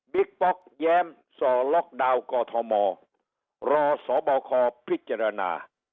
ป๊อกแย้มส่อล็อกดาวน์กอทมรอสบคพิจารณา